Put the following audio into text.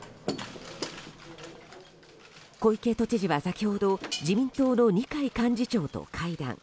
小池都知事は先ほど自民党の二階幹事長と会談。